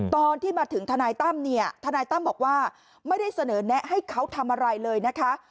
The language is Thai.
ตอนที่มาถึงทนายตั้มเนี่ยทนายตั้มบอกว่าไม่ได้เสนอแนะให้เขาทำอะไรเลยนะคะ